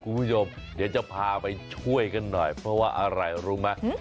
กูโยมเดี๋ยวจะพาไปช่วยกันหน่อยเพราะว่าอะไรรู้มั้ย